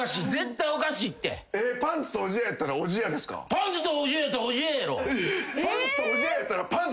パンツとおじややったらおじややろ。